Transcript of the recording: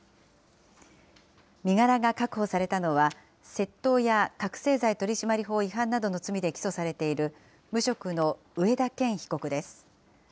身柄が確保されたのは、窃盗や覚醒剤取締法違反などの罪で起訴されている、無職の上田健被告です。